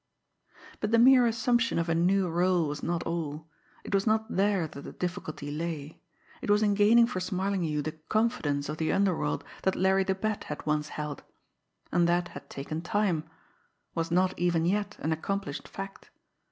But the mere assumption of a new rôle was not all it was not there that the difficulty lay; it was in gaining for Smarlinghue the confidence of the underworld that Larry the Bat had once held. And that had taken time was not even yet an accomplished fact.